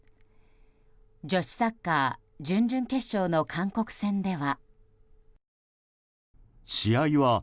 女子サッカー準々決勝の韓国戦では。